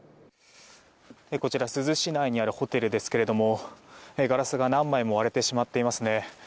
こちら、珠洲市内にあるホテルですけれどもガラスが何枚も割れてしまっていますね。